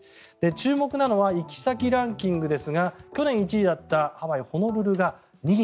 注目なのは行き先ランキングですが去年１位だったハワイ・ホノルルが２位。